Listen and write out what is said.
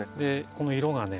この色がね